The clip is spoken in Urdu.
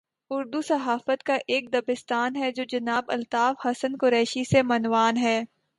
اردو صحافت کا ایک دبستان ہے جو جناب الطاف حسن قریشی سے معنون ہے۔